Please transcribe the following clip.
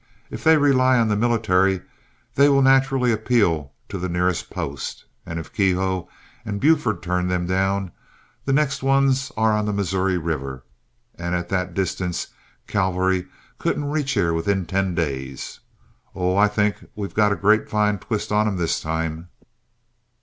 If they rely on the military, they will naturally appeal to the nearest post, and if Keogh and Buford turn them down, the next ones are on the Missouri River, and at that distance cavalry couldn't reach here within ten days. Oh, I think we've got a grapevine twist on them this time."